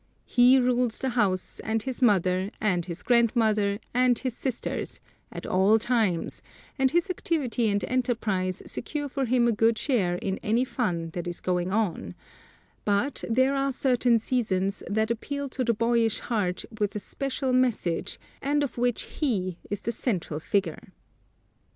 He rules the house and his mother and his grandmother and his sisters, at all times, and his activity and enterprise secure for him a good share in any fun that is going on; but there are certain seasons that appeal to the boyish heart with a special message and of which he is the central figure.